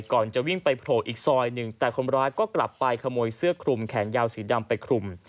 ก่อนจะวิ่งไปโผล่อีกซอยหนึ่งแต่คนร้ายก็กลับไปขโมยเสื้อคลุมแขนยาวสีดำไปคลุม